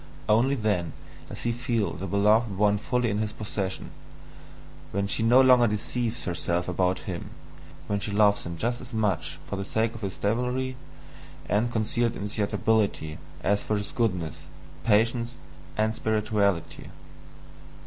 Only then does he feel the beloved one fully in his possession, when she no longer deceives herself about him, when she loves him just as much for the sake of his devilry and concealed insatiability, as for his goodness, patience, and spirituality.